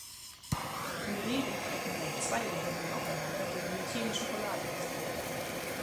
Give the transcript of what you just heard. In Rhede treffen gleich zwei Unternehmen aufeinander, deren Metier die Schokolade ist.